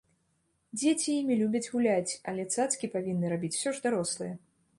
Дзеці імі любяць гуляць, але цацкі павінны рабіць усё ж дарослыя.